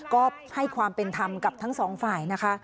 ก็ให้ความเป็นธรรมกับทั้งสองฝ่ายนะคะ